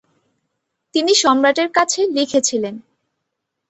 তিনি সম্রাটের কাছে লিখেছিলেন।